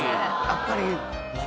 やっぱり。